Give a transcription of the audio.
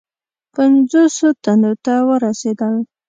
پنجوسو تنو ته ورسېدل.